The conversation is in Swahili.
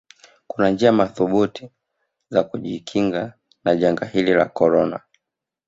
kunanjia madhubuti za kujikinga na janga hili la korona